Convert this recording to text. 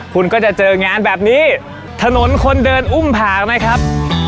คุณก็จะเจองานแบบนี้ถนนคนเดินอุ้มผากนะครับ